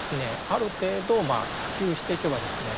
ある程度まあ普及していけばですね